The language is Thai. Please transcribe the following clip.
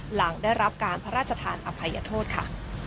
หลังได้รับการพระราชทานอภัยโทษค่ะ